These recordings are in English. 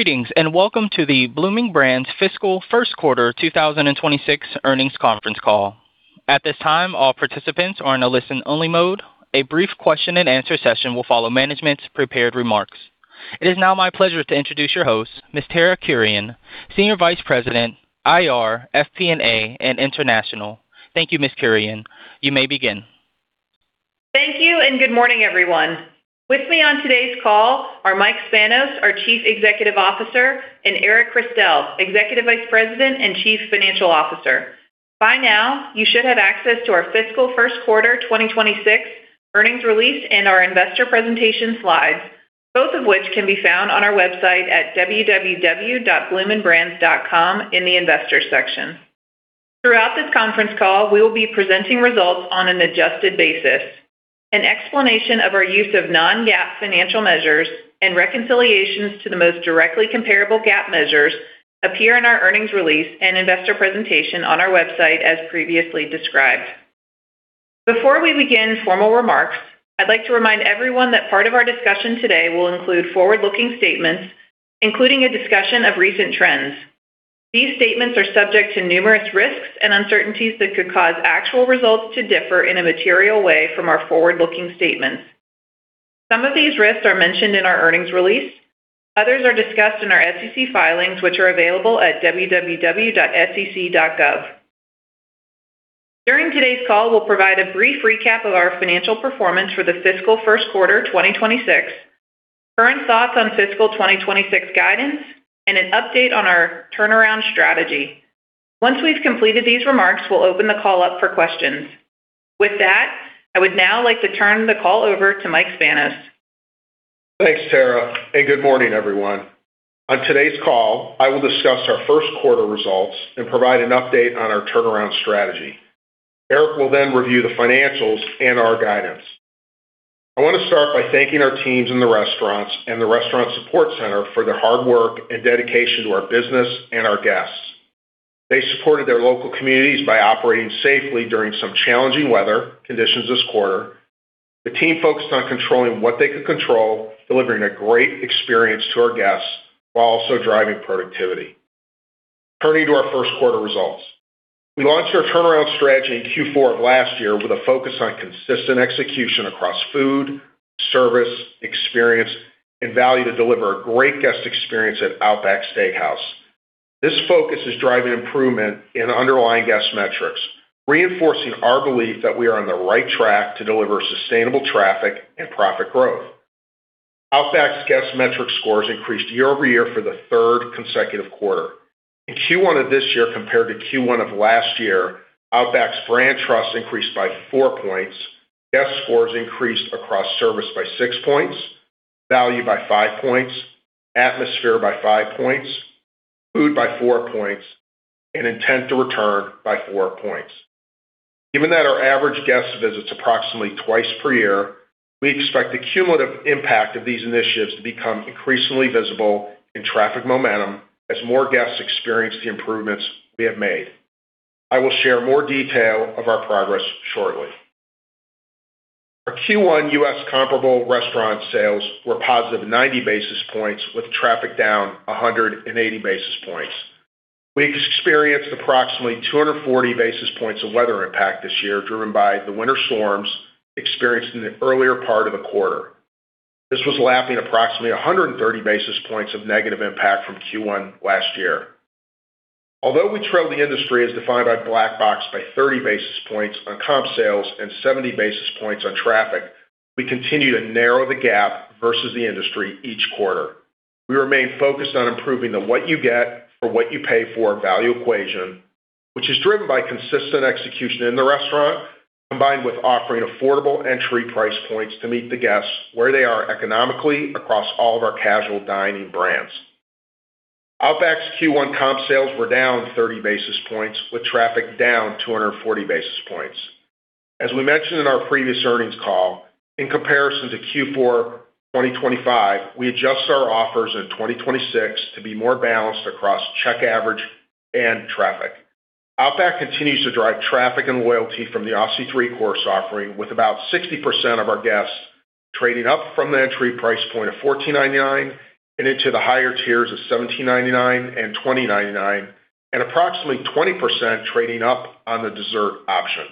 Greetings, welcome to the Bloomin' Brands Fiscal first quarter 2026 earnings conference call. At this time, all participants are in a listen-only mode. A brief question-and-answer session will follow management's prepared remarks. It is now my pleasure to introduce your host, Ms. Tara Kurian, Senior Vice President, IR, FP&A, and International. Thank you, Ms. Kurian. You may begin. Thank you. Good morning, everyone. With me on today's call are Michael Spanos, our Chief Executive Officer, and Eric Christel, Executive Vice President and Chief Financial Officer. By now, you should have access to our fiscal 1st quarter 2026 earnings release and our investor presentation slides, both of which can be found on our website at www.bloominbrands.com in the Investors section. Throughout this conference call, we will be presenting results on an adjusted basis. An explanation of our use of Non-GAAP financial measures and reconciliations to the most directly comparable GAAP measures appear in our earnings release and investor presentation on our website, as previously described. Before we begin formal remarks, I'd like to remind everyone that part of our discussion today will include forward-looking statements, including a discussion of recent trends. These statements are subject to numerous risks and uncertainties that could cause actual results to differ in a material way from our forward-looking statements. Some of these risks are mentioned in our earnings release. Others are discussed in our SEC filings, which are available at www.sec.gov. During today's call, we'll provide a brief recap of our financial performance for the fiscal first quarter 2026, current thoughts on fiscal 2026 guidance, and an update on our turnaround strategy. Once we've completed these remarks, we'll open the call up for questions. With that, I would now like to turn the call over to Michael Spanos. Thanks, Tara. Good morning, everyone. On today's call, I will discuss our first quarter results and provide an update on our turnaround strategy. Eric will then review the financials and our guidance. I want to start by thanking our teams in the restaurants and the restaurant support center for their hard work and dedication to our business and our guests. They supported their local communities by operating safely during some challenging weather conditions this quarter. The team focused on controlling what they could control, delivering a great experience to our guests while also driving productivity. Turning to our first quarter results. We launched our turnaround strategy in Q4 of last year with a focus on consistent execution across food, service, experience, and value to deliver a great guest experience at Outback Steakhouse. This focus is driving improvement in underlying guest metrics, reinforcing our belief that we are on the right track to deliver sustainable traffic and profit growth. Outback's guest metric scores increased year-over-year for the third consecutive quarter. In Q1 of this year compared to Q1 of last year, Outback's brand trust increased by 4 points. Guest scores increased across service by 6 points, value by 5 points, atmosphere by 5 points, food by 4 points, and intent to return by 4 points. Given that our average guest visits approximately twice per year, we expect the cumulative impact of these initiatives to become increasingly visible in traffic momentum as more guests experience the improvements we have made. I will share more detail of our progress shortly. Our Q1 U.S. comparable restaurant sales were positive 90 basis points with traffic down 180 basis points. We experienced approximately 240 basis points of weather impact this year, driven by the winter storms experienced in the earlier part of the quarter. This was lapping approximately 130 basis points of negative impact from Q1 last year. Although we trailed the industry as defined by Black Box by 30 basis points on comp sales and 70 basis points on traffic, we continue to narrow the gap versus the industry each quarter. We remain focused on improving the what you get for what you pay for value equation, which is driven by consistent execution in the restaurant, combined with offering affordable entry price points to meet the guests where they are economically across all of our casual dining brands. Outback's Q1 comp sales were down 30 basis points, with traffic down 240 basis points. As we mentioned in our previous earnings call, in comparison to Q4 2025, we adjusted our offers in 2026 to be more balanced across check average and traffic. Outback continues to drive traffic and loyalty from the Aussie 3-Course offering, with about 60% of our guests trading up from the entry price point of $14.99 and into the higher tiers of $17.99 and $20.99, and approximately 20% trading up on the dessert option.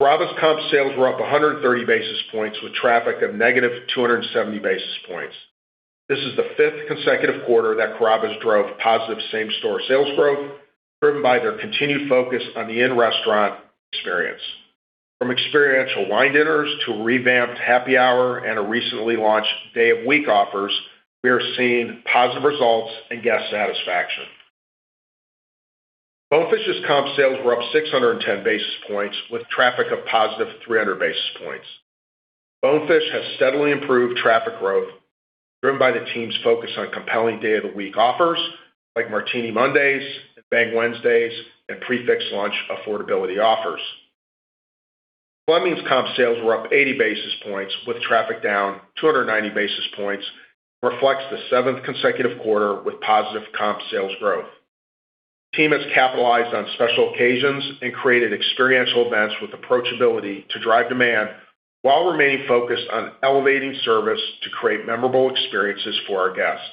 Carrabba's comp sales were up 130 basis points, with traffic of negative 270 basis points. This is the fifth consecutive quarter that Carrabba's drove positive same-store sales growth, driven by their continued focus on the in-restaurant experience. From experiential wine dinners to revamped happy hour and a recently launched day-of-week offers, we are seeing positive results and guest satisfaction. Bonefish's comp sales were up 610 basis points, with traffic of positive 300 basis points. Bonefish has steadily improved traffic growth, driven by the team's focus on compelling day-of-the-week offers like Martini Mondays and Bang Wednesdays and prix fixe lunch affordability offers. Fleming's comp sales were up 80 basis points, with traffic down 290 basis points, reflects the seventh consecutive quarter with positive comp sales growth. Team has capitalized on special occasions and created experiential events with approachability to drive demand while remaining focused on elevating service to create memorable experiences for our guests.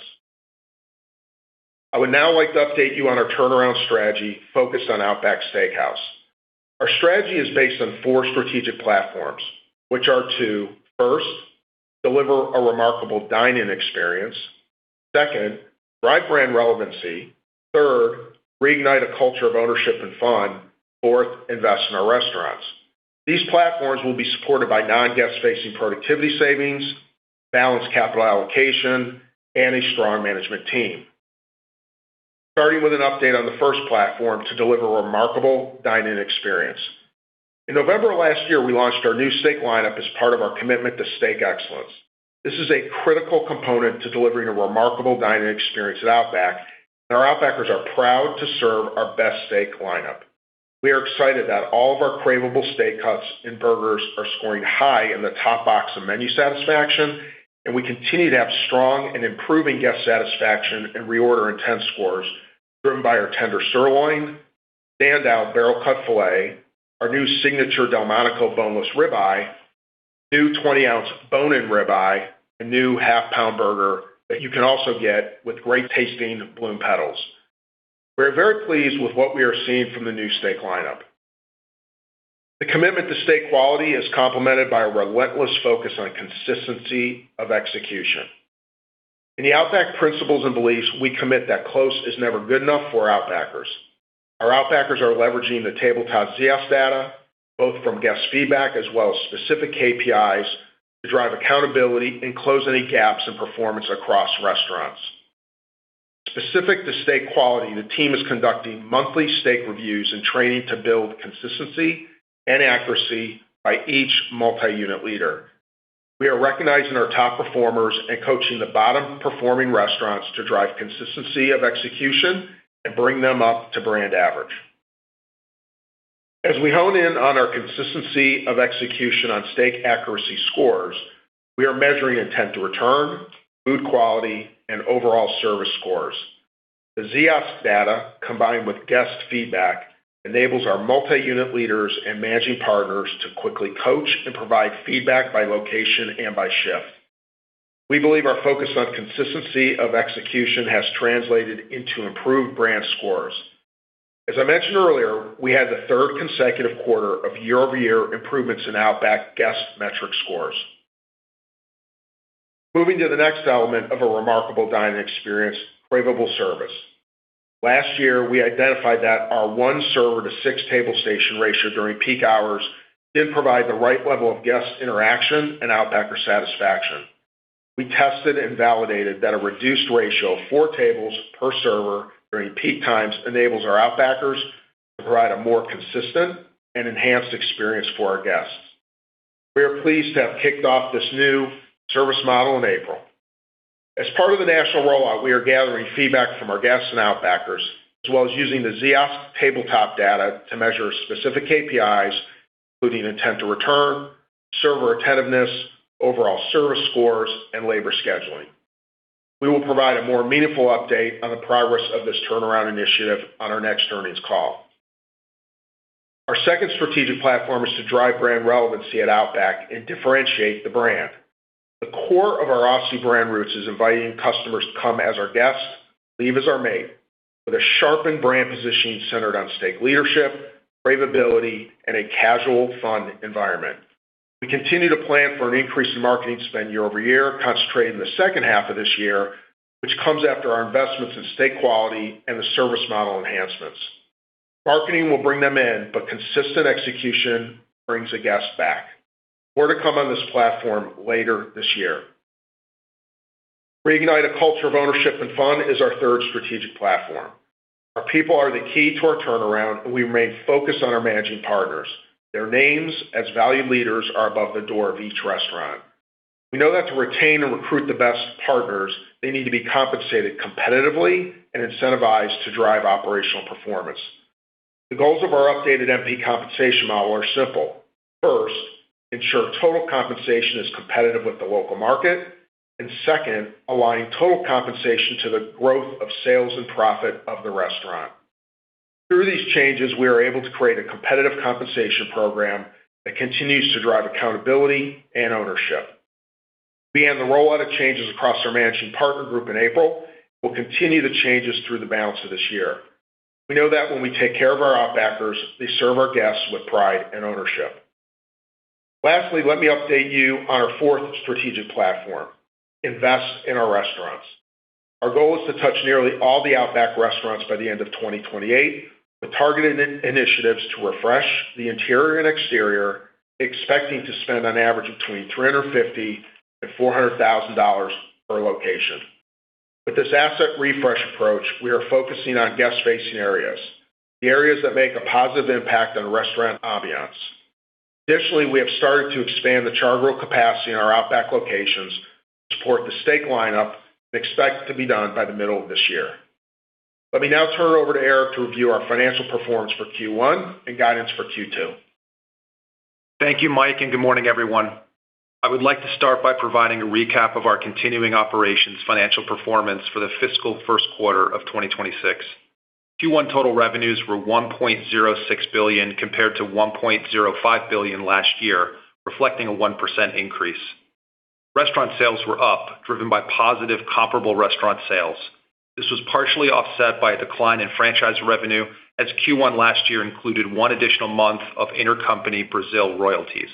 I would now like to update you on our turnaround strategy focused on Outback Steakhouse. Our strategy is based on 4 strategic platforms, which are to, first, deliver a remarkable dine-in experience. Second, drive brand relevancy. Third, reignite a culture of ownership and fun. Fourth, invest in our restaurants. These platforms will be supported by non-guest facing productivity savings, balanced capital allocation, and a strong management team. Starting with an update on the first platform to deliver a remarkable dine-in experience. In November last year, we launched our new steak lineup as part of our commitment to steak excellence. This is a critical component to delivering a remarkable dine-in experience at Outback, and our Outbackers are proud to serve our best steak lineup. We are excited that all of our craveable steak cuts and burgers are scoring high in the top box of menu satisfaction, and we continue to have strong and improving guest satisfaction and reorder intent scores driven by our tender sirloin, stand out barrel cut filet, our new signature Delmonico boneless rib eye, new 20-ounce bone-in rib eye, a new half-pound burger that you can also get with great tasting Bloom Petals. We're very pleased with what we are seeing from the new steak lineup. The commitment to steak quality is complemented by a relentless focus on consistency of execution. In the Outback principles and beliefs, we commit that close is never good enough for Outbackers. Our Outbackers are leveraging the tabletop Ziosk data, both from guest feedback as well as specific KPIs to drive accountability and close any gaps in performance across restaurants. Specific to steak quality, the team is conducting monthly steak reviews and training to build consistency and accuracy by each multi-unit leader. We are recognizing our top performers and coaching the bottom performing restaurants to drive consistency of execution and bring them up to brand average. As we hone in on our consistency of execution on steak accuracy scores, we are measuring intent to return, food quality, and overall service scores. The Ziosk data, combined with guest feedback, enables our multi-unit leaders and managing partners to quickly coach and provide feedback by location and by shift. We believe our focus on consistency of execution has translated into improved brand scores. As I mentioned earlier, we had the third consecutive quarter of year-over-year improvements in Outback guest metric scores. Moving to the next element of a remarkable dining experience, craveable service. Last year, we identified that our 1 server to 6 table station ratio during peak hours didn't provide the right level of guest interaction and Outbacker satisfaction. We tested and validated that a reduced ratio of 4 tables per server during peak times enables our Outbackers to provide a more consistent and enhanced experience for our guests. We are pleased to have kicked off this new service model in April. As part of the national rollout, we are gathering feedback from our guests and Outbackers, as well as using the Ziosk tabletop data to measure specific KPIs, including intent to return, server attentiveness, overall service scores, and labor scheduling. We will provide a more meaningful update on the progress of this turnaround initiative on our next earnings call. Our second strategic platform is to drive brand relevancy at Outback and differentiate the brand. The core of our Aussie brand roots is inviting customers to come as our guests, leave as our mate with a sharpened brand positioning centered on steak leadership, cravability, and a casual, fun environment. We continue to plan for an increase in marketing spend year-over-year, concentrated in the second half of this year, which comes after our investments in steak quality and the service model enhancements. Marketing will bring them in, consistent execution brings a guest back. More to come on this platform later this year. Reignite a Culture of Ownership and Fun is our third strategic platform. Our people are the key to our turnaround, we remain focused on our Managing Partners. Their names as value leaders are above the door of each restaurant. We know that to retain and recruit the best partners, they need to be compensated competitively and incentivized to drive operational performance. The goals of our updated MP compensation model are simple. First, ensure total compensation is competitive with the local market, second, align total compensation to the growth of sales and profit of the restaurant. Through these changes, we are able to create a competitive compensation program that continues to drive accountability and ownership. We began the rollout of changes across our Managing Partner group in April. We'll continue the changes through the balance of this year. We know that when we take care of our Outbackers, they serve our guests with pride and ownership. Let me update you on our 4th strategic platform, invest in our restaurants. Our goal is to touch nearly all the Outback restaurants by the end of 2028 with targeted initiatives to refresh the interior and exterior, expecting to spend on average between $350,000 and $400,000 per location. With this asset refresh approach, we are focusing on guest-facing areas, the areas that make a positive impact on restaurant ambiance. Additionally, we have started to expand the char grill capacity in our Outback locations to support the steak lineup and expect to be done by the middle of this year. Let me now turn it over to Eric to review our financial performance for Q1 and guidance for Q2. Thank you, Mike, and good morning, everyone. I would like to start by providing a recap of our continuing operations financial performance for the fiscal first quarter of 2026. Q1 total revenues were $1.06 billion compared to $1.05 billion last year, reflecting a 1% increase. Restaurant sales were up, driven by positive comparable restaurant sales. This was partially offset by a decline in franchise revenue as Q1 last year included 1 additional month of intercompany Brazil royalties.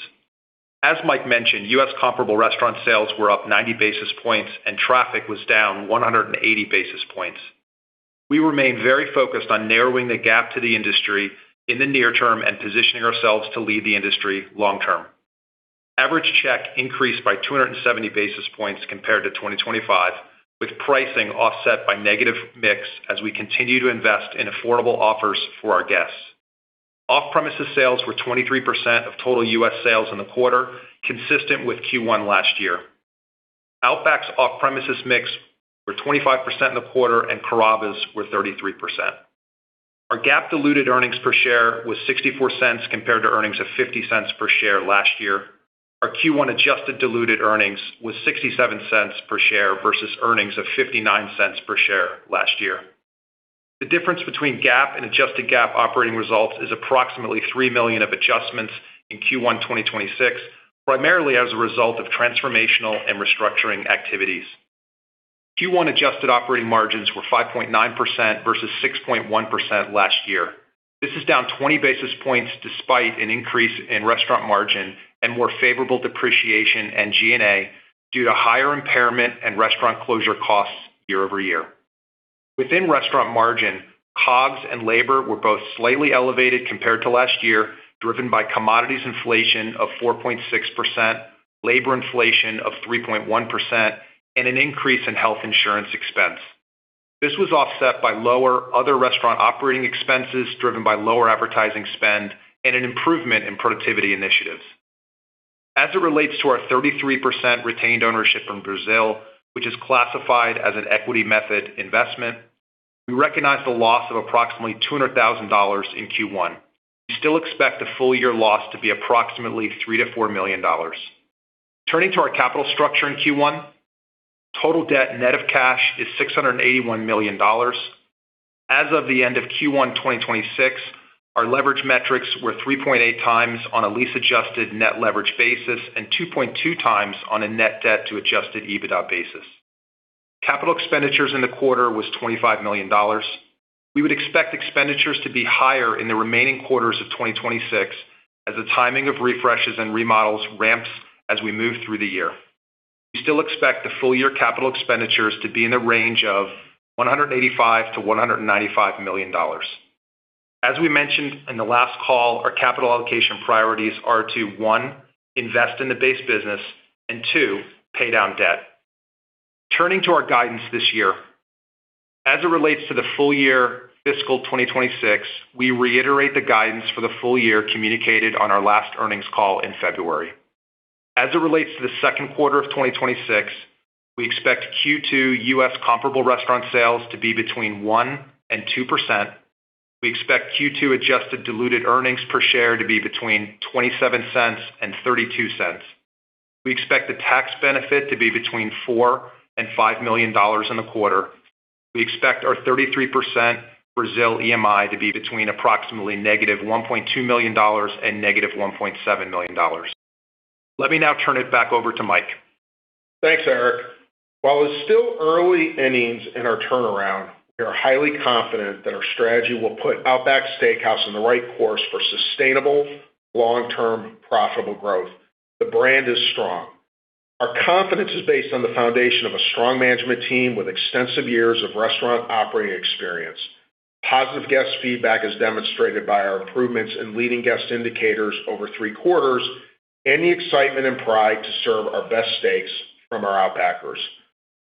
As Mike mentioned, U.S. comparable restaurant sales were up 90 basis points and traffic was down 180 basis points. We remain very focused on narrowing the gap to the industry in the near term and positioning ourselves to lead the industry long term. Average check increased by 270 basis points compared to 2025, with pricing offset by negative mix as we continue to invest in affordable offers for our guests. Off-premises sales were 23% of total U.S. sales in the quarter, consistent with Q1 last year. Outback's off-premises mix were 25% in the quarter, and Carrabba's were 33%. Our GAAP diluted earnings per share was $0.64 compared to earnings of $0.50 per share last year. Our Q1 adjusted diluted earnings was $0.67 per share versus earnings of $0.59 per share last year. The difference between GAAP and adjusted GAAP operating results is approximately $3 million of adjustments in Q1 2026, primarily as a result of transformational and restructuring activities. Q1 adjusted operating margins were 5.9% versus 6.1% last year. This is down 20 basis points despite an increase in restaurant margin and more favorable depreciation and G&A due to higher impairment and restaurant closure costs year-over-year. Within restaurant margin, COGS and labor were both slightly elevated compared to last year, driven by commodities inflation of 4.6%, labor inflation of 3.1%, and an increase in health insurance expense. This was offset by lower other restaurant operating expenses driven by lower advertising spend and an improvement in productivity initiatives. As it relates to our 33% retained ownership in Brazil, which is classified as an Equity Method Investment, we recognize the loss of approximately $200,000 in Q1. We still expect the full year loss to be approximately $3 million-$4 million. Turning to our capital structure in Q1, total debt net of cash is $681 million. As of the end of Q1 2026, our leverage metrics were 3.8 times on a lease adjusted net leverage basis and 2.2 times on a net debt to adjusted EBITDA basis. Capital expenditures in the quarter was $25 million. We would expect expenditures to be higher in the remaining quarters of 2026 as the timing of refreshes and remodels ramps as we move through the year. We still expect the full year capital expenditures to be in the range of $185 million-$195 million. As we mentioned in the last call, our capital allocation priorities are to, one, invest in the base business and, two, pay down debt. Turning to our guidance this year. As it relates to the full year fiscal 2026, we reiterate the guidance for the full year communicated on our last earnings call in February. As it relates to the second quarter of 2026, we expect Q2 U.S. comparable restaurant sales to be between 1% and 2%. We expect Q2 adjusted diluted earnings per share to be between $0.27 and $0.32. We expect the tax benefit to be between $4 million and $5 million in the quarter. We expect our 33% Brazil EMI to be between approximately negative $1.2 million and negative $1.7 million. Let me now turn it back over to Mike. Thanks, Eric. While it's still early innings in our turnaround, we are highly confident that our strategy will put Outback Steakhouse on the right course for sustainable, long-term, profitable growth. The brand is strong. Our confidence is based on the foundation of a strong management team with extensive years of restaurant operating experience. Positive guest feedback is demonstrated by our improvements in leading guest indicators over 3 quarters and the excitement and pride to serve our best steaks from our Outbackers.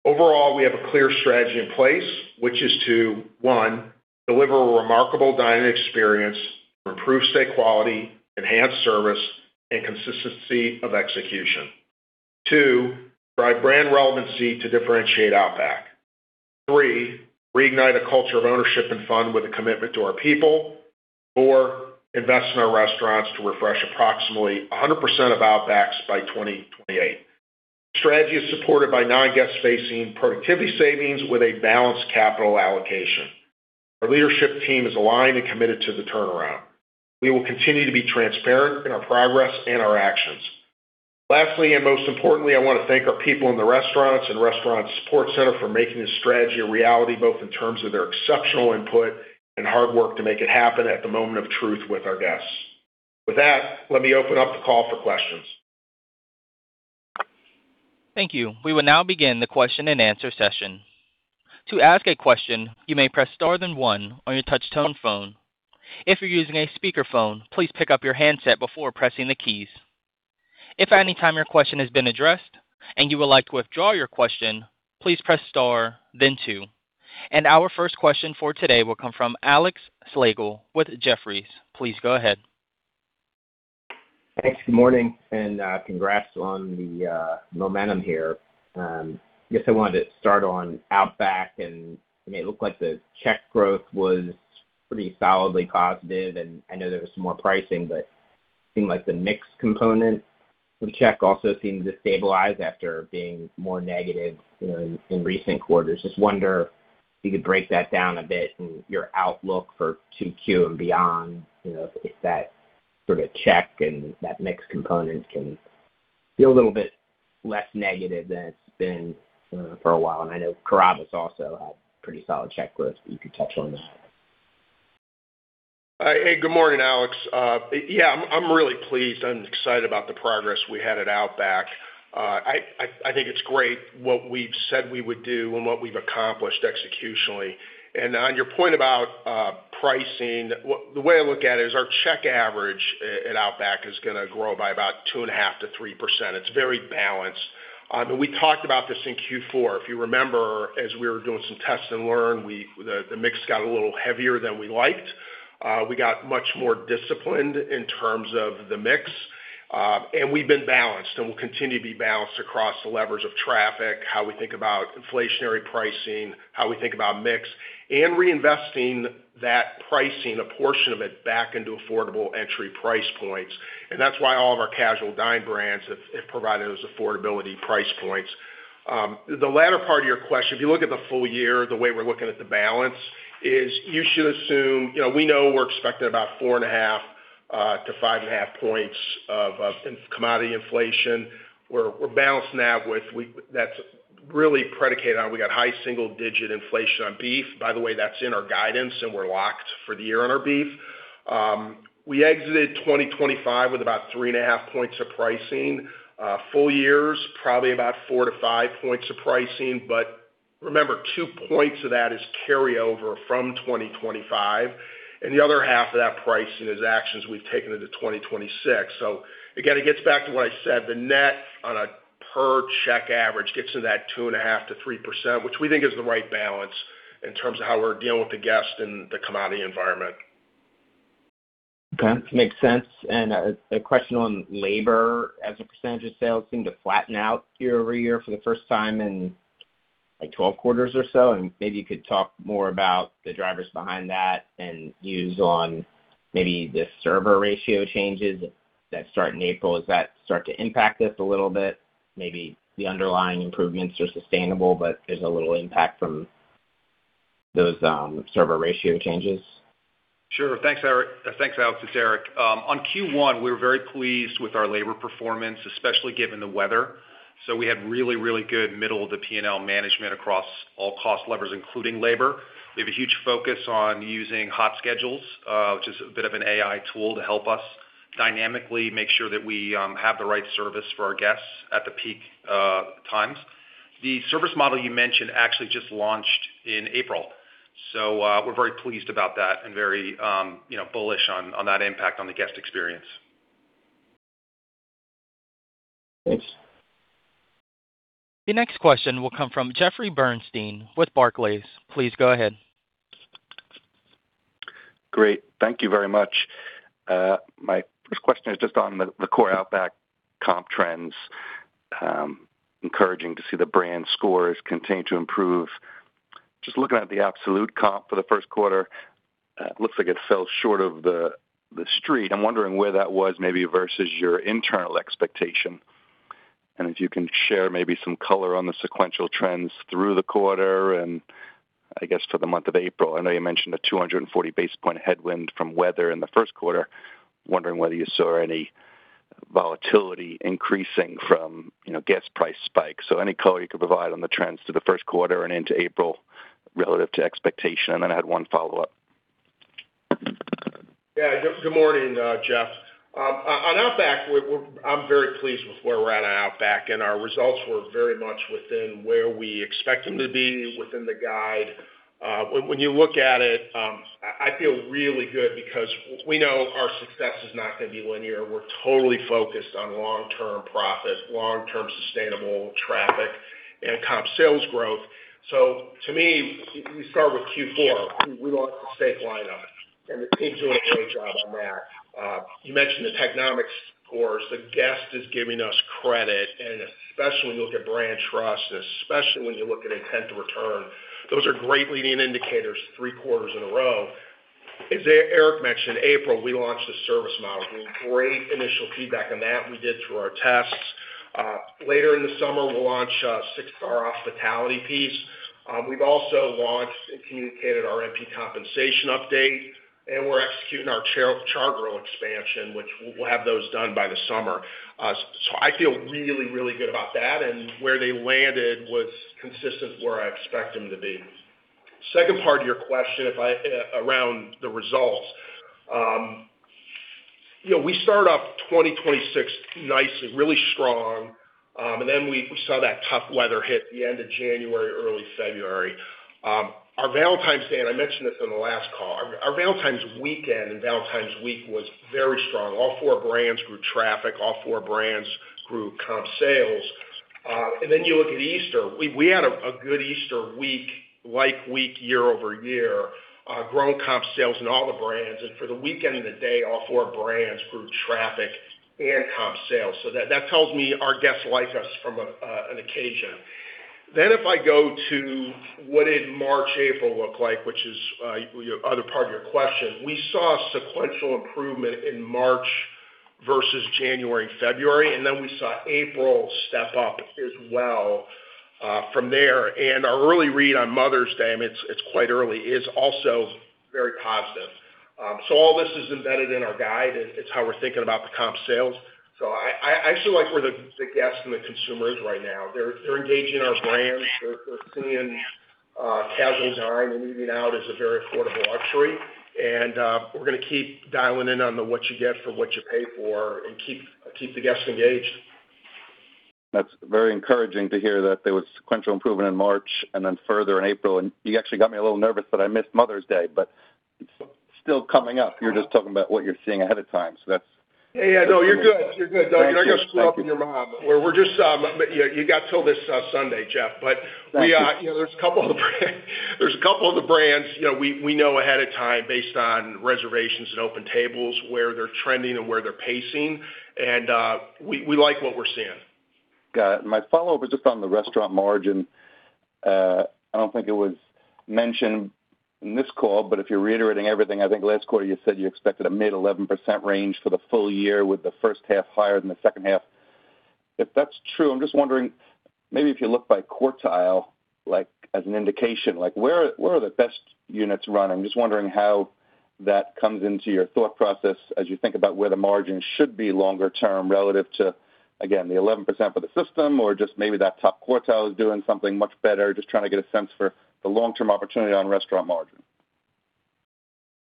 Overall, we have a clear strategy in place, which is to, 1, deliver a remarkable dining experience, improve steak quality, enhance service, and consistency of execution. 2, drive brand relevancy to differentiate Outback. 3, reignite a culture of ownership and fun with a commitment to our people. 4, invest in our restaurants to refresh approximately 100% of Outbacks by 2028. Strategy is supported by non-guest facing productivity savings with a balanced capital allocation. Our leadership team is aligned and committed to the turnaround. We will continue to be transparent in our progress and our actions. Lastly, most importantly, I want to thank our people in the restaurants and restaurant support center for making this strategy a reality, both in terms of their exceptional input and hard work to make it happen at the moment of truth with our guests. With that, let me open up the call for questions. Thank you. We will now begin the question and answer session. To ask a question, you may press star then one on your touch-tone phone. If you're using a speakerphone, please pick up your handset before pressing the keys. If at any time your question has been addressed and you would like to withdraw your question, please press star then two. Our first question for today will come from Alex Slagle with Jefferies. Please go ahead. Thanks. Good morning, congrats on the momentum here. I guess I wanted to start on Outback, I mean, it looked like the check growth was. Pretty solidly positive, I know there was some more pricing, but it seemed like the mix component of the check also seemed to stabilize after being more negative, you know, in recent quarters. Just wonder if you could break that down a bit and your outlook for 2Q and beyond, you know, if that sort of check and that mix component can feel a little bit less negative than it's been for a while. I know Carrabba's also had pretty solid check growth, if you could touch on that. Hey, good morning, Alex. Yeah, I'm really pleased and excited about the progress we had at Outback. I think it's great what we've said we would do and what we've accomplished executionally. On your point about pricing, the way I look at it is our check average at Outback is gonna grow by about 2.5%-3%. It's very balanced. We talked about this in Q4. If you remember, as we were doing some tests and learn, the mix got a little heavier than we liked. We got much more disciplined in terms of the mix, and we've been balanced and will continue to be balanced across the levers of traffic, how we think about inflationary pricing, how we think about mix, and reinvesting that pricing, a portion of it, back into affordable entry price points. That's why all of our casual dine brands have provided those affordability price points. The latter part of your question, if you look at the full year, the way we're looking at the balance is you should assume, you know, we know we're expecting about 4.5 points-5.5 points of commodity inflation. We're balancing that with that's really predicated on we got high single-digit inflation on beef. That's in our guidance, and we're locked for the year on our beef. We exited 2025 with about 3.5 points of pricing. Full year's probably about 4-5 points of pricing. Remember, 2 points of that is carryover from 2025, and the other half of that pricing is actions we've taken into 2026. Again, it gets back to what I said, the net on a per check average gets to that 2.5%-3%, which we think is the right balance in terms of how we're dealing with the guest and the commodity environment. Okay. Makes sense. A question on labor as a % of sales seem to flatten out year-over-year for the first time in like 12 quarters or so. Maybe you could talk more about the drivers behind that and views on maybe the server ratio changes that start in April. Does that start to impact this a little bit? Maybe the underlying improvements are sustainable, but there's a little impact from those server ratio changes. Sure. Thanks, Eric. Thanks, Alex. It's Eric. On Q1, we were very pleased with our labor performance, especially given the weather. We had really good middle of the P&L management across all cost levers, including labor. We have a huge focus on using HotSchedules, which is a bit of an AI tool to help us dynamically make sure that we have the right service for our guests at the peak times. The service model you mentioned actually just launched in April, we're very pleased about that and very, you know, bullish on that impact on the guest experience. Thanks. The next question will come from Jeffrey Bernstein with Barclays. Please go ahead. Great. Thank you very much. My first question is just on the core Outback comp trends. Encouraging to see the brand scores continue to improve. Just looking at the absolute comp for the first quarter, it looks like it fell short of the street. I'm wondering where that was maybe versus your internal expectation. If you can share maybe some color on the sequential trends through the quarter and I guess for the month of April. I know you mentioned a 240 base point headwind from weather in the first quarter. Wondering whether you saw any volatility increasing from, you know, guest price spikes. Any color you could provide on the trends to the first quarter and into April relative to expectation. I had one follow-up. Yeah. Good morning, Jeff. On Outback, I'm very pleased with where we're at on Outback, and our results were very much within where we expect them to be within the guide. When you look at it, I feel really good because we know our success is not going to be linear. We're totally focused on long-term profit, long-term sustainable traffic and comp sales growth. To me, you start with Q4. We launched the safe line on it, and the team's doing a great job on that. You mentioned the Technomic scores. The guest is giving us credit, and especially when you look at brand trust, and especially when you look at intent to return, those are great leading indicators 3 quarters in a row. As Eric mentioned, April, we launched the service model. Great initial feedback on that we did through our tests. Later in the summer, we'll launch a six-star hospitality piece. We've also launched and communicated our MP compensation update, and we're executing our char-grill expansion, which we'll have those done by the summer. I feel really, really good about that, and where they landed was consistent where I expect them to be. Second part of your question around the results. You know, we started off 2026 nicely, really strong, we saw that tough weather hit the end of January, early February. Our Valentine's Day, I mentioned this in the last call. Our Valentine's weekend and Valentine's week was very strong. All four brands grew traffic. All four brands grew comp sales. You look at Easter. We had a good Easter week, like week year-over-year, grown comp sales in all the brands. For the weekend and the day, all four brands grew traffic and comp sales. That tells me our guests like us from an occasion. If I go to what did March, April look like, which is your other part of your question. We saw sequential improvement in March versus January and February, we saw April step up as well from there. Our early read on Mother's Day, and it's quite early, is also very positive. All this is embedded in our guide, it's how we're thinking about the comp sales. I actually like where the guests and the consumer is right now. They're engaging our brands. They're seeing casual dining and eating out as a very affordable luxury. We're gonna keep dialing in on the what you get for what you pay for and keep the guests engaged. That's very encouraging to hear that there was sequential improvement in March and then further in April. You actually got me a little nervous that I missed Mother's Day, but it's still coming up. You're just talking about what you're seeing ahead of time. Yeah. No, you're good. Thank you. Don't go screw up on your mom. We're just, you got till this Sunday, Jeff. We, you know, there's a couple of the brands, you know, we know ahead of time based on reservations and OpenTable, where they're trending and where they're pacing and, we like what we're seeing. Got it. My follow-up is just on the restaurant margin. I don't think it was mentioned in this call, but if you're reiterating everything, I think last quarter you said you expected a mid-11% range for the full year with the first half higher than the second half. If that's true, I'm just wondering, maybe if you look by quartile, like, as an indication, like where are the best units running? Just wondering how that comes into your thought process as you think about where the margin should be longer term relative to, again, the 11% for the system or just maybe that top quartile is doing something much better. Just trying to get a sense for the long-term opportunity on restaurant margin.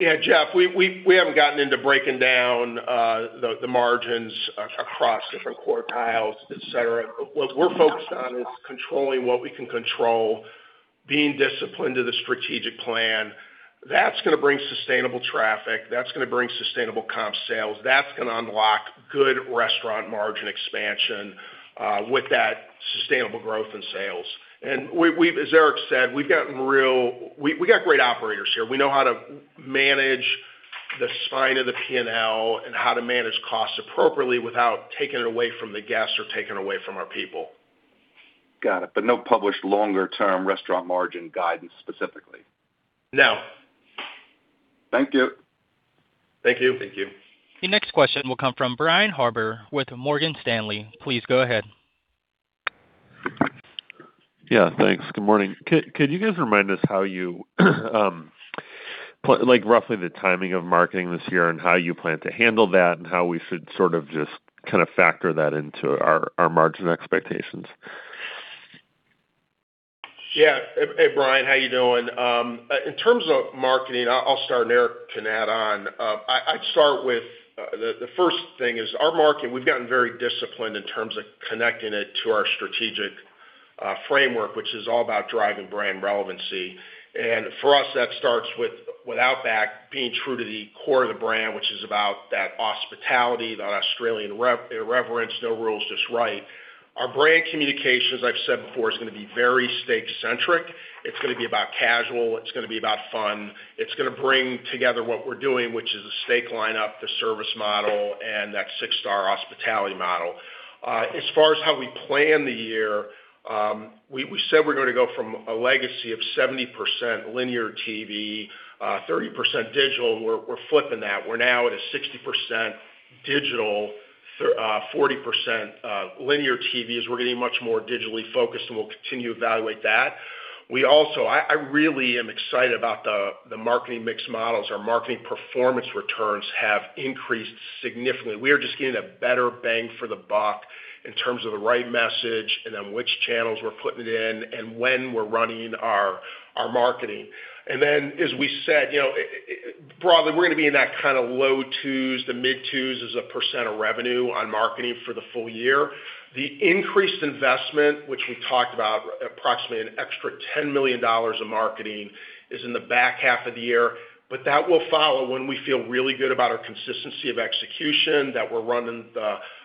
Yeah, Jeff, we haven't gotten into breaking down the margins across different quartiles, et cetera. What we're focused on is controlling what we can control, being disciplined to the strategic plan. That's gonna bring sustainable traffic. That's gonna bring sustainable comp sales. That's gonna unlock good restaurant margin expansion with that sustainable growth in sales. As Eric said, we've gotten real. We got great operators here. We know how to manage the spine of the P&L and how to manage costs appropriately without taking it away from the guests or taking away from our people. Got it. No published longer term restaurant margin guidance specifically. No. Thank you. Thank you. The next question will come from Brian Harbour with Morgan Stanley. Please go ahead. Yeah, thanks. Good morning. Could you guys remind us how you like, roughly the timing of marketing this year and how you plan to handle that and how we should sort of just kinda factor that into our margin expectations? Yeah. Hey, Brian, how you doing? In terms of marketing, I'll start and Eric can add on. I'd start with the first thing is our marketing, we've gotten very disciplined in terms of connecting it to our strategic framework, which is all about driving brand relevancy. For us, that starts with Outback being true to the core of the brand, which is about that hospitality, that Australian irreverence, "No Rules, Just Right." Our brand communications, as I've said before, is gonna be very steak-centric. It's gonna be about casual, it's gonna be about fun. It's gonna bring together what we're doing, which is the steak lineup, the service model, and that six-star hospitality model. As far as how we plan the year, we said we're going to go from a legacy of 70% linear TV, 30% digital. We're flipping that. We're now at a 60% digital, 40% linear TV, as we're getting much more digitally focused, and we'll continue to evaluate that. I really am excited about the marketing mix models. Our marketing performance returns have increased significantly. We are just getting a better bang for the buck in terms of the right message and then which channels we're putting it in and when we're running our marketing. As we said, you know, broadly, we're going to be in that kind of low 2s to mid 2s as a % of revenue on marketing for the full year. The increased investment, which we talked about, approximately an extra $10 million in marketing, is in the back half of the year. That will follow when we feel really good about our consistency of execution, that we're running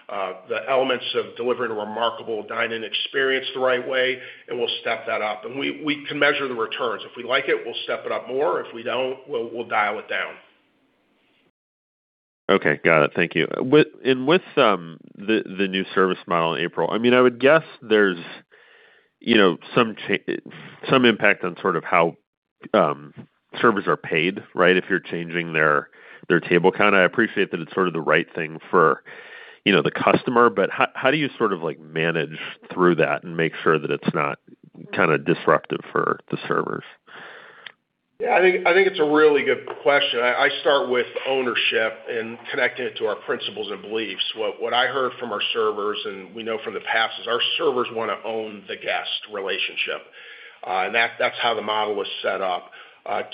the elements of delivering a remarkable dine-in experience the right way, and we'll step that up. We can measure the returns. If we like it, we'll step it up more. If we don't, we'll dial it down. Okay. Got it. Thank you. With the new service model in April, I mean, I would guess there's, you know, some impact on sort of how servers are paid, right? If you're changing their table count. I appreciate that it's sort of the right thing for, you know, the customer, but how do you sort of like manage through that and make sure that it's not kinda disruptive for the servers? Yeah, I think it's a really good question. I start with ownership and connecting it to our principles and beliefs. What I heard from our servers, and we know from the past, is our servers wanna own the guest relationship, and that's how the model was set up.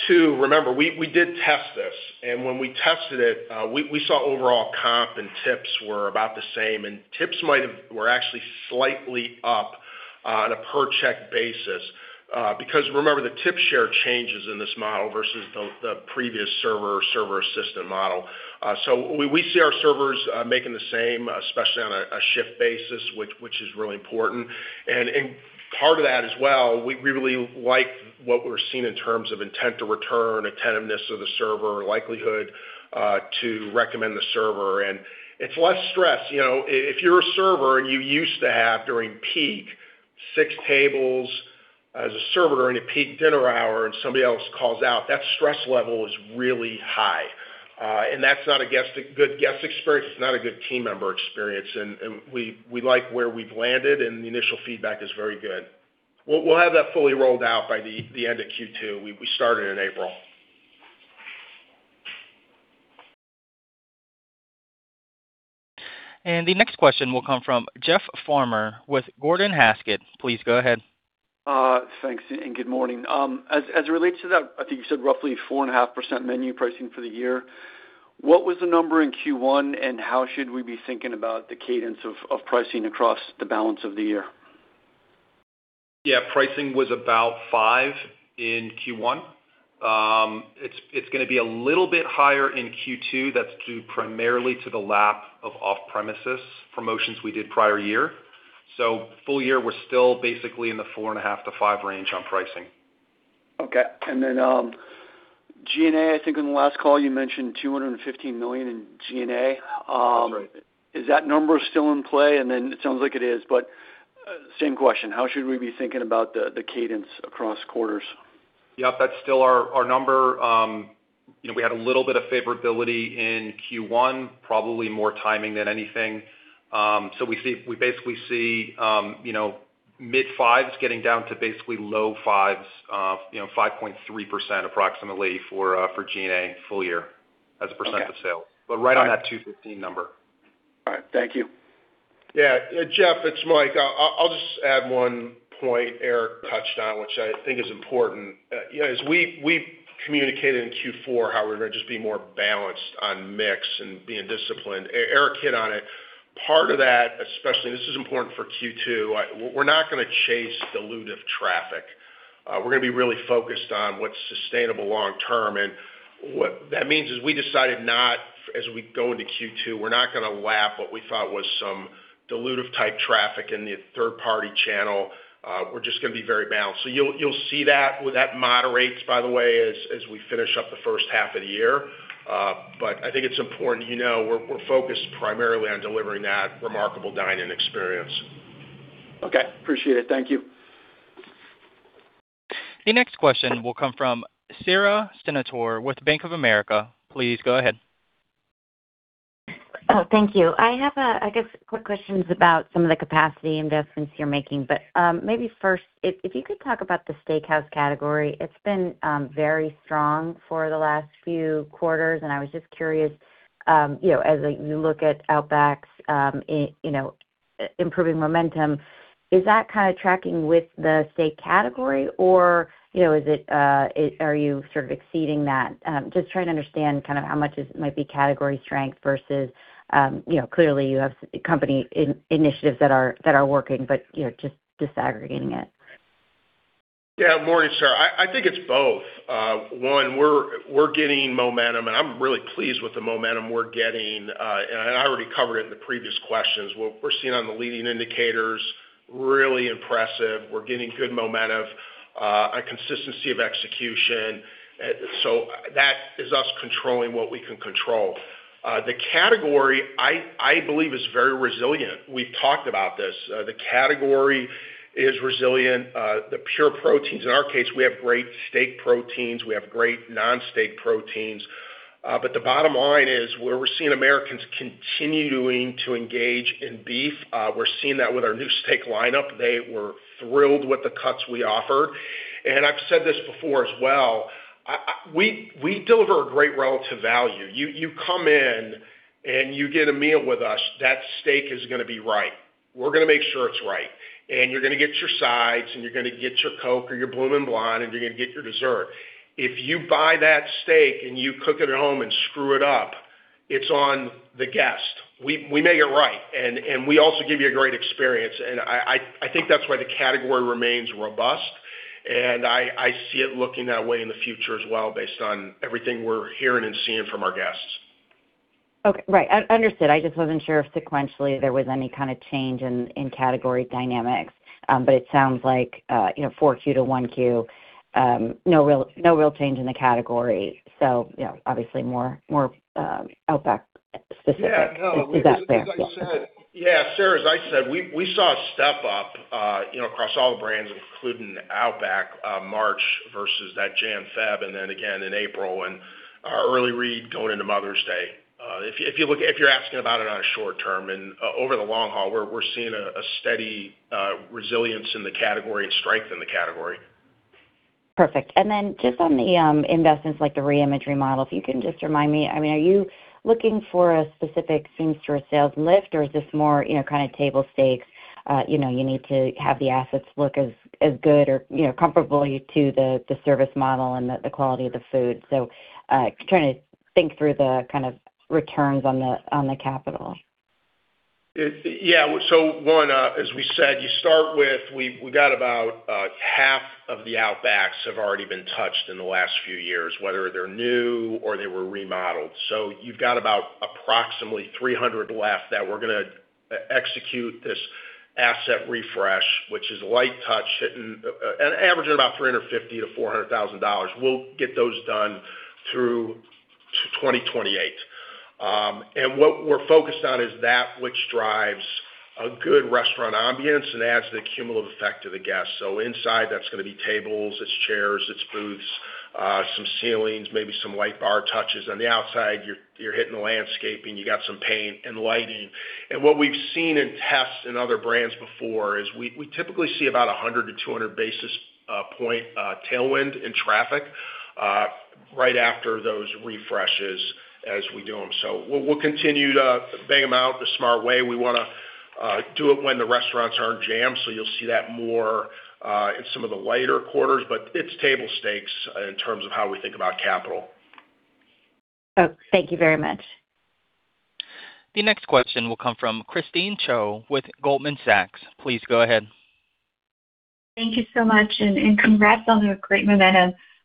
2, remember, we did test this, and when we tested it, we saw overall comp and tips were about the same. Tips were actually slightly up on a per check basis, because remember, the tip share changes in this model versus the previous server-server assistant model. So we see our servers making the same, especially on a shift basis, which is really important. In part of that as well, we really like what we're seeing in terms of intent to return, attentiveness of the server, likelihood to recommend the server. It's less stress. You know, if you're a server and you used to have during peak 6 tables as a server during a peak dinner hour and somebody else calls out, that stress level is really high. That's not a good guest experience, it's not a good team member experience. We like where we've landed, and the initial feedback is very good. We'll have that fully rolled out by the end of Q2. We started in April. The next question will come from Jeff Farmer with Gordon Haskett. Please go ahead. Thanks and good morning. As it relates to that, I think you said roughly 4.5% menu pricing for the year, what was the number in Q1, and how should we be thinking about the cadence of pricing across the balance of the year? Yeah. Pricing was about 5 in Q1. It's gonna be a little bit higher in Q2. That's due primarily to the lap of off-premises promotions we did prior year. Full year, we're still basically in the 4.5-5 range on pricing. Okay. G&A, I think in the last call you mentioned $215 million in G&A. That's right. Is that number still in play? Then it sounds like it is, but, same question, how should we be thinking about the cadence across quarters? Yeah. That's still our number. You know, we had a little bit of favorability in Q1, probably more timing than anything. We basically see, you know, mid-5s getting down to basically low 5s, you know, 5.3% approximately for G&A full year as a % of sales. Okay. Right on that 215 number. All right. Thank you. Yeah. Jeff, it's Mike. I'll just add 1 point Eric touched on, which I think is important. You know, as we communicated in Q4 how we're going to just be more balanced on mix and being disciplined. Eric hit on it. Part of that, especially this is important for Q2, we're not going to chase dilutive traffic. We're going to be really focused on what's sustainable long term. What that means is we decided not, as we go into Q2, we're not going to lap what we thought was some dilutive type traffic in the third party channel. We're just going to be very balanced. You'll see that. Well, that moderates, by the way, as we finish up the first half of the year. I think it's important that you know we're focused primarily on delivering that remarkable dine-in experience. Okay. Appreciate it. Thank you. The next question will come from Sara Senatore with Bank of America. Please go ahead. Oh, thank you. I have, I guess, quick questions about some of the capacity investments you're making. Maybe first if you could talk about the steakhouse category. It's been very strong for the last few quarters. I was just curious, you know, as, like, you look at Outback's, you know, improving momentum, is that kind of tracking with the steak category or, you know, are you sort of exceeding that? Just trying to understand kind of how much it might be category strength versus, you know, clearly you have company initiatives that are working, but, you know, just disaggregating it. Morning, Sara. I think it's both. One, we're getting momentum, I'm really pleased with the momentum we're getting. I already covered it in the previous questions. What we're seeing on the leading indicators, really impressive. We're getting good momentum, a consistency of execution. That is us controlling what we can control. The category, I believe, is very resilient. We've talked about this. The category is resilient. The pure proteins. In our case, we have great steak proteins. We have great non-steak proteins. The bottom line is where we're seeing Americans continuing to engage in beef, we're seeing that with our new steak lineup. They were thrilled with the cuts we offered. I've said this before as well, we deliver a great relative value. You, you come in and you get a meal with us, that steak is gonna be right. We're gonna make sure it's right. You're gonna get your sides, you're gonna get your Coke or your Bloomin' Brands, you're gonna get your dessert. If you buy that steak and you cook it at home and screw it up, it's on the guest. We make it right, and we also give you a great experience. I think that's why the category remains robust. I see it looking that way in the future as well based on everything we're hearing and seeing from our guests. Okay. Right. Un-understood. I just wasn't sure if sequentially there was any kind of change in category dynamics. It sounds like, you know, 4Q to 1Q, no real change in the category. You know, obviously more Outback specific. Yeah. No. Is that fair? Yeah. As I said Sara, as I said, we saw a step up, you know, across all the brands, including Outback, March versus that Jan, Feb, and then again in April and our early read going into Mother's Day. If you're asking about it on a short term and over the long haul, we're seeing a steady resilience in the category and strength in the category. Perfect. Then just on the investments like the re-imagery model, if you can just remind me. I mean, are you looking for a specific same-store sales lift or is this more, you know, kind of table stakes? You know, you need to have the assets look as good or, you know, comparable to the service model and the quality of the food. Trying to think through the kind of returns on the capital. Yeah. One, as we said, you start with we've got about half of the Outbacks have already been touched in the last few years, whether they're new or they were remodeled. You've got about approximately 300 left that we're going to execute this asset refresh, which is light touch hitting an average of about $350,000-$400,000. We'll get those done through 2028. And what we're focused on is that which drives a good restaurant ambiance and adds the cumulative effect to the guest. Inside, that's going to be tables, it's chairs, it's booths, some ceilings, maybe some light bar touches. On the outside, you're hitting the landscaping, you got some paint and lighting. What we've seen in tests in other brands before is we typically see about 100 basis points-200 basis points tailwind in traffic right after those refreshes as we do them. We'll continue to bang them out the smart way. We wanna do it when the restaurants aren't jammed, you'll see that more in some of the lighter quarters. It's table stakes in terms of how we think about capital. Oh, thank you very much. The next question will come from Christine Cho with Goldman Sachs. Please go ahead. Thank you so much and congrats on the great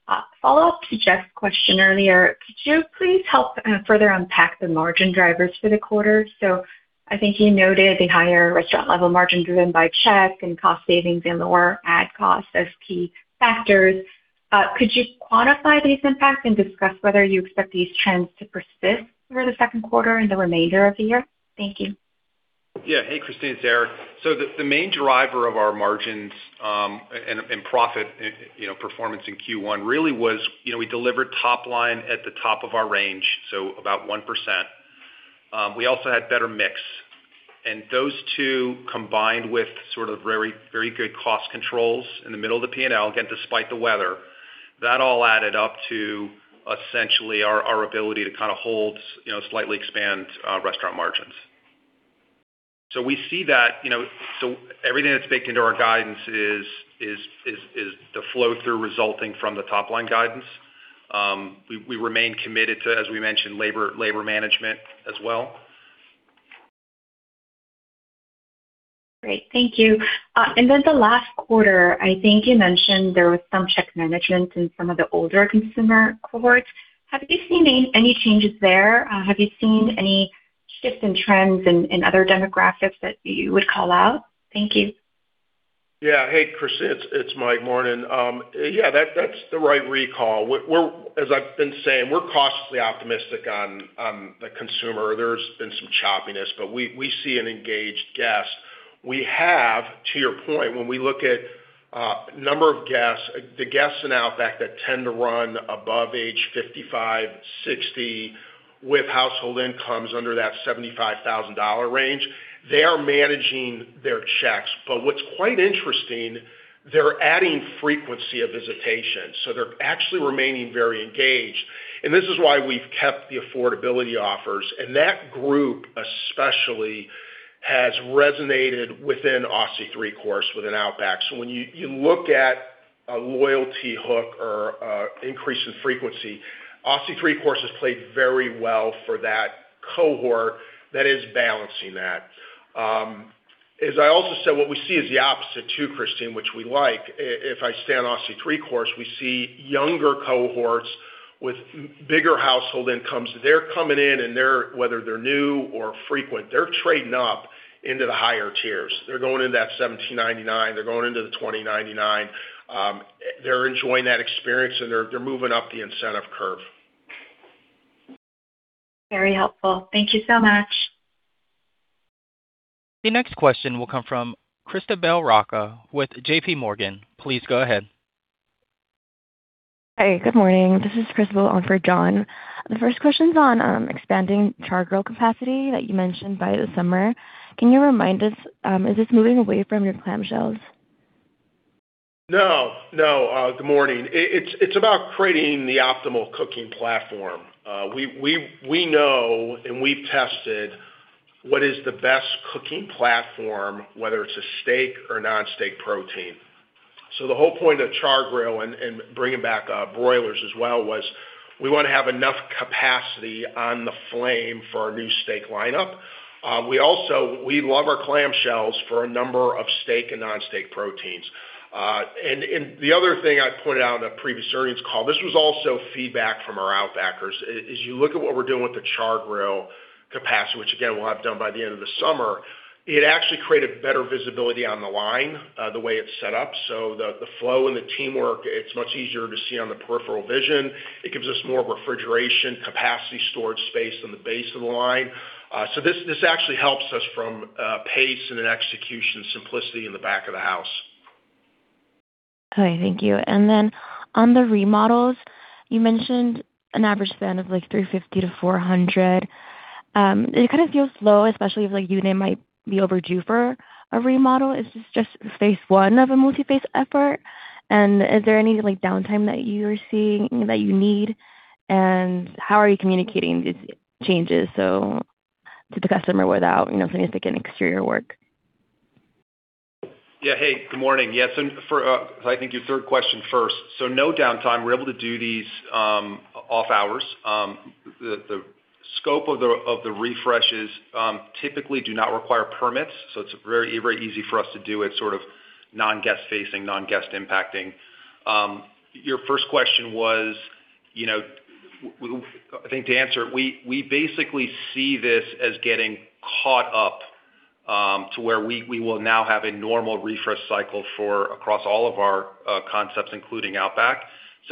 momentum. Follow-up to Jeff's question earlier. Could you please help further unpack the margin drivers for the quarter? I think you noted the higher restaurant level margin driven by check and cost savings and lower ad costs as key factors. Could you quantify these impacts and discuss whether you expect these trends to persist through the second quarter and the remainder of the year? Thank you. Yeah. Hey, Christine, it's Eric. The main driver of our margins, and profit, you know, performance in Q1 really was, we delivered top line at the top of our range, so about 1%. We also had better mix. Those two, combined with sort of very good cost controls in the middle of the P&L, again, despite the weather, that all added up to essentially our ability to kind of hold, slightly expand, restaurant margins. We see that everything that's baked into our guidance is the flow-through resulting from the top-line guidance. We remain committed to, as we mentioned, labor management as well. Great. Thank you. The last quarter, I think you mentioned there was some check management in some of the older consumer cohorts. Have you seen any changes there? Have you seen any shifts in trends in other demographics that you would call out? Thank you. Hey, Christine, it's Mike. Morning. That's the right recall. We're, as I've been saying, we're cautiously optimistic on the consumer. There's been some choppiness, but we see an engaged guest. We have, to your point, when we look at number of guests, the guests in Outback that tend to run above age 55, 60, with household incomes under that $75,000 range, they are managing their checks. What's quite interesting, they're adding frequency of visitation, they're actually remaining very engaged. This is why we've kept the affordability offers. That group especially has resonated within Aussie 3-Course with an Outback. When you look at a loyalty hook or a increase in frequency, Aussie 3-Course has played very well for that cohort that is balancing that. As I also said, what we see is the opposite too, Christine, which we like. If I stay on Aussie 3-Course, we see younger cohorts with bigger household incomes. They're coming in and they're, whether they're new or frequent, they're trading up into the higher tiers. They're going into that $17.99. They're going into the $20.99. They're enjoying that experience and they're moving up the incentive curve. Very helpful. Thank you so much. The next question will come from Christopher Rocha with J.P. Morgan. Please go ahead. Hey, good morning. This is Christopher Rocha on for John. The first question's on expanding char grill capacity that you mentioned by the summer. Can you remind us, is this moving away from your clam shells? No. No. Good morning. It's about creating the optimal cooking platform. We know and we've tested what is the best cooking platform, whether it's a steak or non-steak protein. The whole point of char grill and bringing back broilers as well, was we wanna have enough capacity on the flame for our new steak lineup. We also love our clam shells for a number of steak and non-steak proteins. And the other thing I pointed out on a previous earnings call, this was also feedback from our Outbackers, is as you look at what we're doing with the char grill capacity, which again, we'll have done by the end of the summer, it actually created better visibility on the line, the way it's set up. The, the flow and the teamwork, it's much easier to see on the peripheral vision. It gives us more refrigeration capacity storage space on the base of the line. This, this actually helps us from pace and an execution simplicity in the back of the house. Okay, thank you. On the remodels, you mentioned an average spend of like $350 to $400. It kind of feels slow, especially if like unit might be overdue for a remodel. Is this just phase one of a multi-phase effort? Is there any like downtime that you're seeing that you need? How are you communicating these changes, so to the customer without, you know, significant exterior work? Hey, good morning. For, I think your third question first. No downtime. We're able to do these off hours. The, the scope of the, of the refreshes typically do not require permits, so it's very, very easy for us to do. It's sort of non-guest facing, non-guest impacting. Your first question was, you know, I think to answer it, we basically see this as getting caught up To where we will now have a normal refresh cycle for across all of our concepts, including Outback.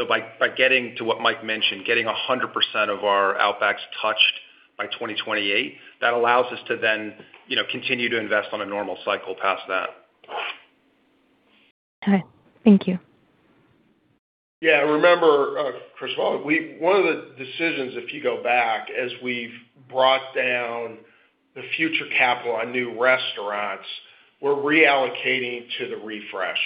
By getting to what Mike mentioned, getting 100% of our Outbacks touched by 2028, that allows us to then, you know, continue to invest on a normal cycle past that. Okay. Thank you. Yeah. Remember, first of all, one of the decisions, if you go back, as we've brought down the future capital on new restaurants, we're reallocating to the refresh.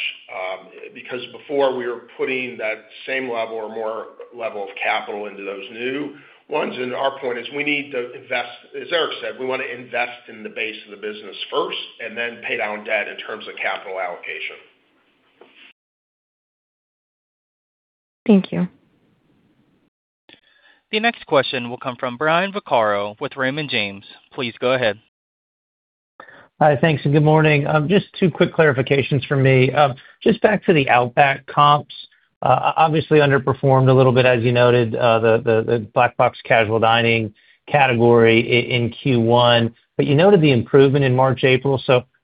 Because before we were putting that same level or more level of capital into those new ones. Our point is we need to invest As Eric said, we wanna invest in the base of the business first and then pay down debt in terms of capital allocation. Thank you. The next question will come from Brian Vaccaro with Raymond James. Please go ahead. Hi. Thanks and good morning. Just 2 quick clarifications for me. Just back to the Outback comps, obviously underperformed a little bit, as you noted, the Black Box casual dining category in Q1. You noted the improvement in March, April.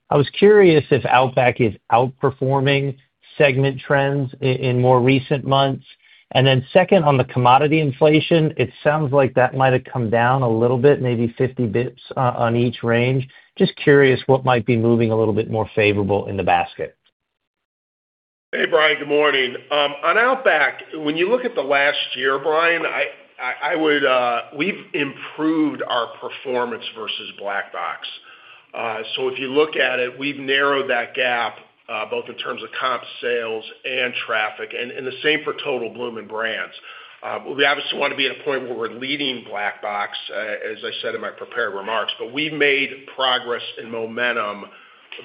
I was curious if Outback is outperforming segment trends in more recent months. Second, on the commodity inflation, it sounds like that might have come down a little bit, maybe 50 basis points on each range. Just curious what might be moving a little bit more favorable in the basket. Hey, Brian. Good morning. On Outback, when you look at the last year, Brian, I would, we've improved our performance versus Black Box. If you look at it, we've narrowed that gap, both in terms of comp sales and traffic and the same for total Bloomin' Brands. We obviously wanna be at a point where we're leading Black Box, as I said in my prepared remarks, but we've made progress and momentum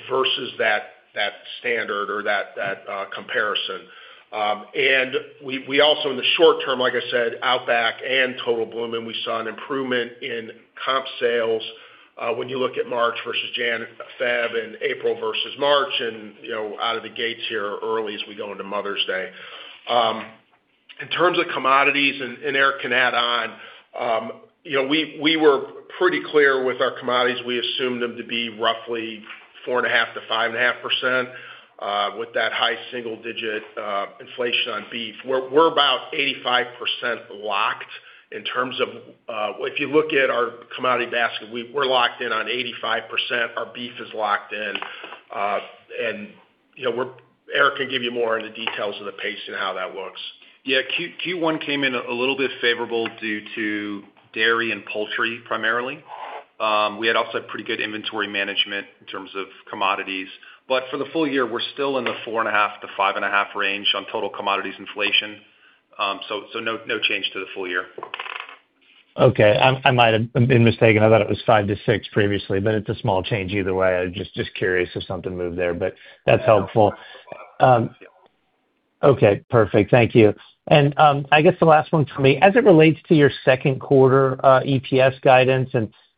versus that standard or that comparison. We also in the short term, like I said, Outback and total Bloomin', we saw an improvement in comp sales, when you look at March versus January, February and April versus March and, you know, out of the gates here early as we go into Mother's Day. In terms of commodities, and Eric can add on, we were pretty clear with our commodities. We assumed them to be roughly 4.5%-5.5% with that high single-digit inflation on beef. We're about 85% locked in terms of, if you look at our commodity basket, we're locked in on 85%. Our beef is locked in, you know, we're Eric can give you more on the details of the pace and how that looks. Yeah. Q1 came in a little bit favorable due to dairy and poultry primarily. We had also pretty good inventory management in terms of commodities. For the full year, we're still in the 4.5%-5.5% range on total commodities inflation. So no change to the full year. I might have been mistaken. I thought it was 5-6 previously, but it's a small change either way. I was just curious if something moved there, but that's helpful. Okay. Perfect. Thank you. I guess the last one for me, as it relates to your second quarter EPS guidance,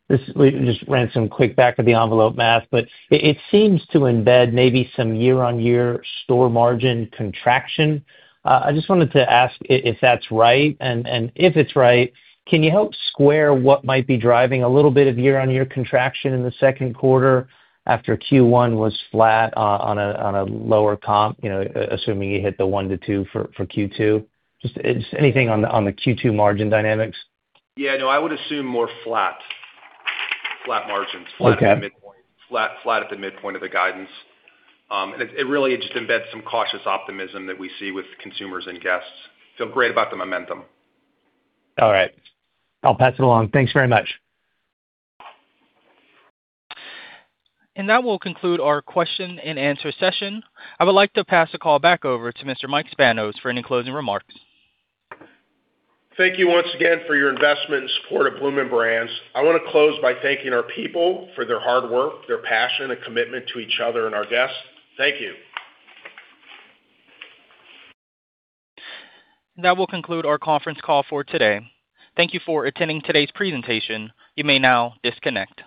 this is, we just ran some quick back of the envelope math, but it seems to embed maybe some year-on-year store margin contraction. I just wanted to ask if that's right, and if it's right, can you help square what might be driving a little bit of year-on-year contraction in second quarter after Q1 was flat on a lower comp, you know, assuming you hit the 1%-2% for Q2? Just anything on the Q2 margin dynamics? Yeah. No, I would assume more flat. Flat margins. Okay. Flat at the midpoint. Flat at the midpoint of the guidance. It really just embeds some cautious optimism that we see with consumers and guests. Feel great about the momentum. All right. I'll pass it along. Thanks very much. That will conclude our question and answer session. I would like to pass the call back over to Mr. Michael Spanos for any closing remarks. Thank you once again for your investment and support of Bloomin' Brands. I wanna close by thanking our people for their hard work, their passion, and commitment to each other and our guests. Thank you. That will conclude our conference call for today. Thank you for attending today's presentation. You may now disconnect.